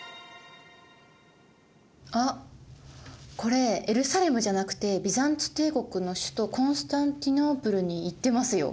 あっこれエルサレムじゃなくてビザンツ帝国の首都コンスタンティノープルに行ってますよ？